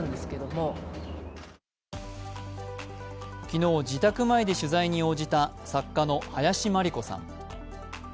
昨日、自宅前で取材に応じた作家の林真理子さん。